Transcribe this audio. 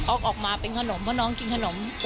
เอาออกมาเป็นขนมเพราะน้องกินขนม